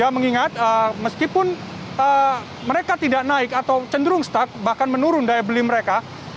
mengingat meskipun mereka tidak naik atau cenderung stuck bahkan menurun daya beli mereka